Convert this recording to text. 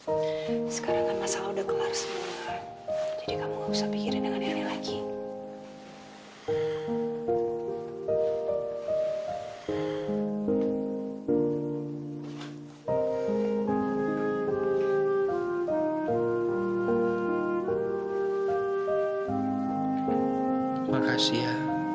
terima kasih ya